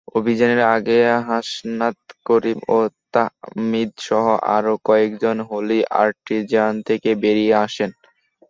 অভিযানের আগেই হাসনাত করিম, তাহমিদসহ আরও কয়েকজন হলি আর্টিজান থেকে বেরিয়ে আসেন।